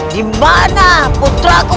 dimana putra ku